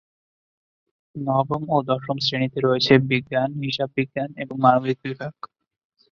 নবম ও দশম শ্রেণীতে রয়েছে বিজ্ঞান, হিসাব বিজ্ঞান এবং মানবিক বিভাগ।